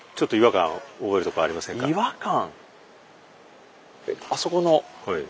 違和感。